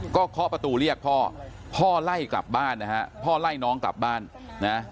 เคาะประตูเรียกพ่อพ่อไล่กลับบ้านนะฮะพ่อไล่น้องกลับบ้านนะ